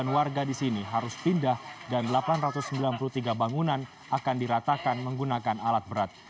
empat sembilan ratus dua puluh sembilan warga di sini harus pindah dan delapan ratus sembilan puluh tiga bangunan akan diratakan menggunakan alat berat